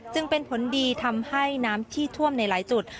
จึงเป็นผลดีทำให้น้ำที่ท่วมในหลายจุด